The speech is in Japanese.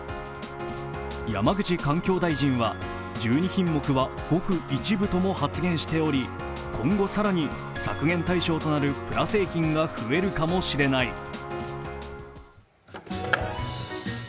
山口環境大臣は、１２品目はごく一部とも発言しており、今後、更に削減対象となるプラ製品が増えるかもしれない。